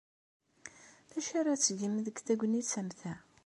D acu ara tgem deg tegnit am ta?